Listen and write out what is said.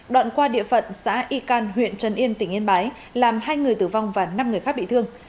đoạn qua địa phận xã y can huyện trần yên tỉnh yên bái làm hai người tử vong và năm người khác bị thương